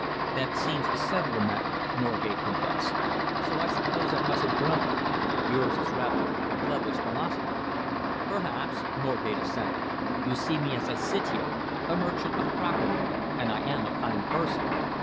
"That seems to settle the matter," Norgate confessed, "so I suppose I mustn't grumble. Yours is rather a bloodless philosophy." "Perhaps," Selingman assented. "You see me as I sit here, a merchant of crockery, and I am a kind person.